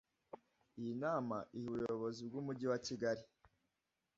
Iyi nama ihuje ubuyobozi bw’umujyi wa Kigali